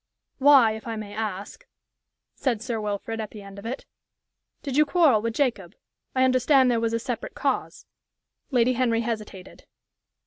"Why, if I may ask," said Sir Wilfrid, at the end of it, "did you quarrel with Jacob? I understand there was a separate cause:" Lady Henry hesitated.